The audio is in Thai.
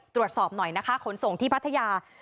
ตรวจสอบหน่อยนะคะขนส่งที่พัทยา